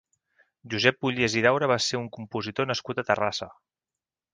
Josep Ullés i Daura va ser un compositor nascut a Terrassa.